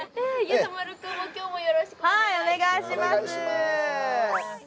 はいお願いします